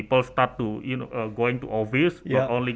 karena orang orang mulai mengubahnya